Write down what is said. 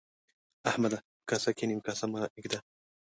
احمده! په کاسه کې نيمه کاسه مه اېږده.